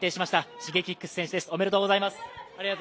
Ｓｈｉｇｅｋｉｘ選手です、おめでとうございます。